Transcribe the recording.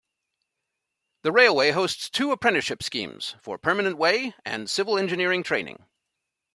The railway hosts two apprenticeship schemes for Permanent Way and Civil Engineering training.